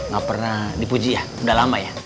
gak pernah dipuji ya udah lama ya